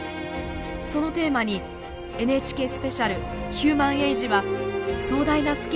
そのテーマにＮＨＫスペシャル「ヒューマン・エイジ」は壮大なスケールで迫ります。